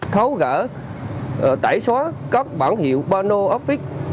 tháo gỡ tẩy xóa các bản hiệu pano office